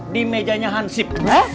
di mejanya hansip